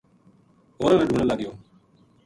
ہوراں نا ڈھونڈن لگ گیو